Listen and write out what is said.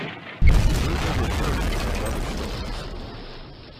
"Yertle the Turtle and Other Stories".